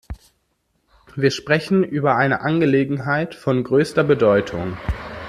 Wir sprechen über eine Angelegenheit von größter Bedeutung.